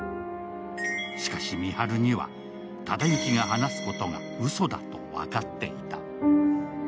しかし、深春には、忠之が話すことがうそだと分かっていた。